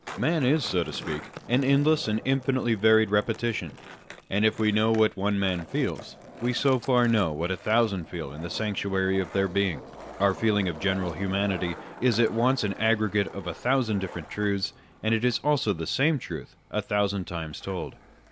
Man is (so to speak) an endless and infinitely varied repetition : and if we know what one man feels, we so far know what a thousand feel in the sanctuary of their being. Our feeling of general humanity is at once an aggregate of a thousand different truths, and it is also the same truth a thousand times told.